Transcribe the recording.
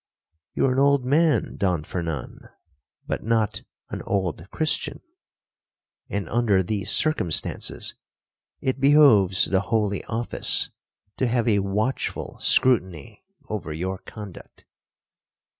You are an old man, Don Fernan, but not an old Christian; and, under these circumstances, it behoves the holy office to have a watchful scrutiny over your conduct.'